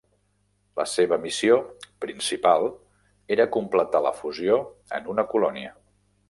La seva missió principal era completar la fusió en una colònia.